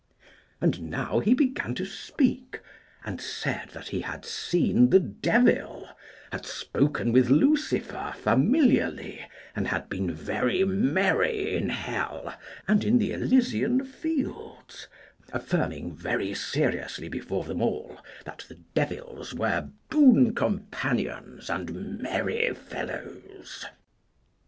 And now he began to speak, and said that he had seen the devil, had spoken with Lucifer familiarly, and had been very merry in hell and in the Elysian fields, affirming very seriously before them all that the devils were boon companions and merry fellows.